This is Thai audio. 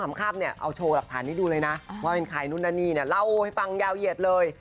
คำคับเนี่ยเอาโชว์หลักฐานให้ดูเลยนะว่าเป็นใครนู่นนั่นนี่เนี่ยเล่าให้ฟังยาวเหยียดเลย